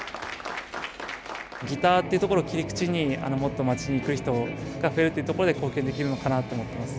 ギターってところを切り口にもっと町に来る人が増えるってところで貢献できるのかなと思ってます。